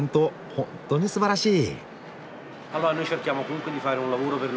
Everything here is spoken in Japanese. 本当にすばらしい！